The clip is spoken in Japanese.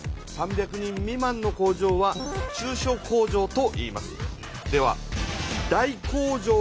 ３００人未満の工場は中小工場といいます。